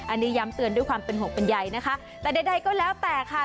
อันนี้ย้ำเตือนด้วยความเป็นห่วงเป็นใยนะคะแต่ใดก็แล้วแต่ค่ะ